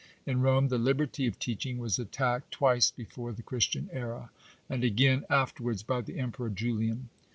In Borne, the liberty of teaching was attacked twice before the Christian era ; and again, afterwards, by the Emperor Julian.